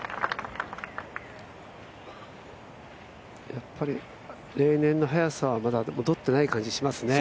やっぱり例年の速さはまだ戻ってない感じしますね。